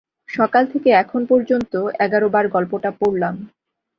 সকাল থেকে এখন পর্যন্ত এগার বার গল্পটা পড়লাম।